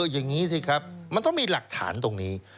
อย่างนี้สิครับมันต้องมีหลักฐานตรงนี้